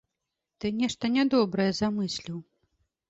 Ты нешта нядобрае замысліў.